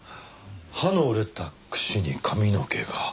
歯の折れたくしに髪の毛が。